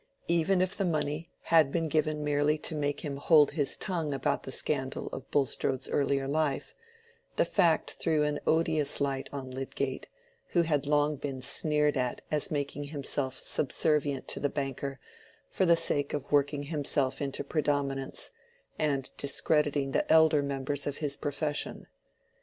Even if the money had been given merely to make him hold his tongue about the scandal of Bulstrode's earlier life, the fact threw an odious light on Lydgate, who had long been sneered at as making himself subservient to the banker for the sake of working himself into predominance, and discrediting the elder members of his profession.